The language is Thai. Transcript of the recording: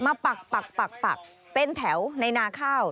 ปักเป็นแถวในนาข้าว